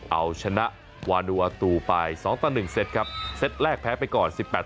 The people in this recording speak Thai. เอาชนะวานูอาตูไป๒ต่อ๑เซตครับเซตแรกแพ้ไปก่อน๑๘